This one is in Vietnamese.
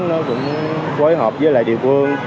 nó cũng bối hợp với lại địa quân